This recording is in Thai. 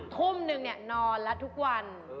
ทุ่มนึงนอนแล้วทุกวัน